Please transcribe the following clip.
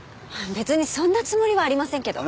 別にそんなつもりはありませんけど。